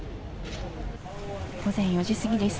午前４時過ぎです。